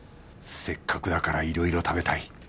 せっかくだからいろいろ食べたい